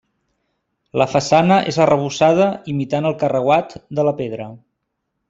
La façana és arrebossada imitant el carreuat de la pedra.